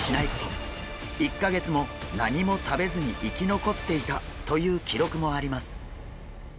１か月も何も食べずに生き残っていたという記録もあります。